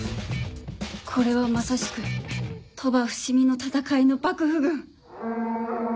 これはまさしく鳥羽・伏見の戦いの幕府軍。